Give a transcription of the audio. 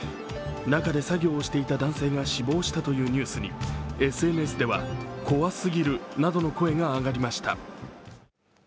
中で作業をしていた男性が死亡したというニュースにＳＮＳでは怖すぎるなどの声が上がりました。